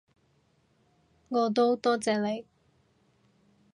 我都多謝你